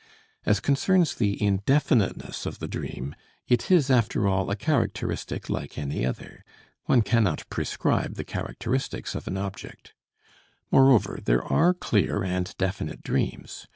As concerns the indefiniteness of the dream, it is after all a characteristic like any other. One cannot prescribe the characteristics of an object. Moreover, there are clear and definite dreams.